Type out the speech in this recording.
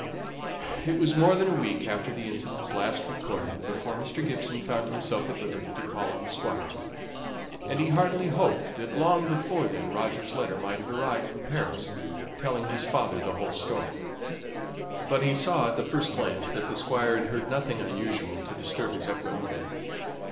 It was more than a week after the incidents just recorded before Mr. Gibson found himself at liberty to call on the Squire; and he heartily hoped that long before then, Roger's letter might have arrived from Paris, telling his father the whole story. But he saw at the first glance that the Squire had heard nothing unusual to disturb his equanimity.